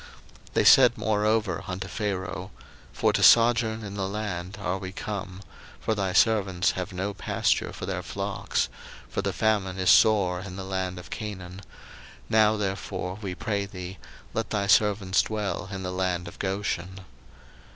01:047:004 They said moreover unto Pharaoh, For to sojourn in the land are we come; for thy servants have no pasture for their flocks; for the famine is sore in the land of Canaan: now therefore, we pray thee, let thy servants dwell in the land of Goshen.